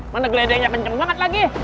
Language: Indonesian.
mana geledenya kenceng banget lagi